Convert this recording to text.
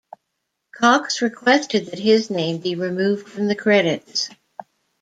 Cox requested that his name be removed from the credits.